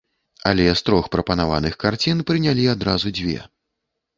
Але з трох прапанаваных карцін прынялі адразу дзве.